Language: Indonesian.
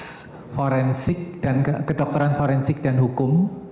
dari fakultas forensik dan kedokteran forensik dan hukum